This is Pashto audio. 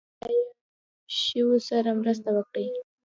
بې ځایه شویو سره مرسته وکړي.